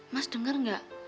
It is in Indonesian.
mas dengar gak